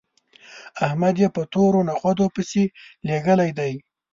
احمد يې په تورو نخودو پسې لېږلی دی